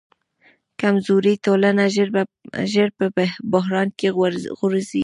کمزورې ټولنه ژر په بحران کې غورځي.